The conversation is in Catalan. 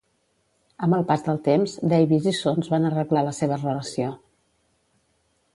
Amb el pas del temps, Davis i Suns van arreglar la seva relació.